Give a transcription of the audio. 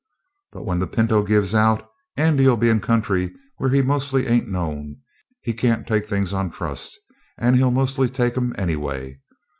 But when the pinto gives out, Andy'll be in country where he mostly ain't known. He can't take things on trust, and he'll mostly take 'em, anyway.